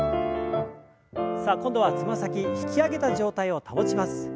さあ今度はつま先引き上げた状態を保ちます。